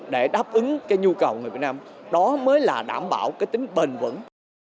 để đáp ứng cái nhu cầu người việt nam đó mới là đảm bảo cái tính bình vẩn